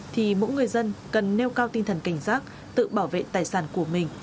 thì mỗi người dân cần nêu cao tinh thần cảnh giác tự bảo vệ tài sản của mình